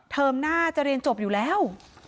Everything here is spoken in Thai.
เทอมหน้าจะเรียนจบอยู่แล้ว